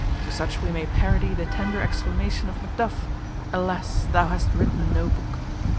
To such we may parody the tender exclamation of Macduff, "Alas! Thou hast written no book."